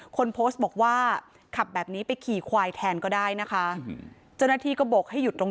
คนโพสต์บอกว่าขับแบบนี้ไปขี่ควายแทนก็ได้นะคะเจ้าหน้าที่ก็บกให้หยุดตรง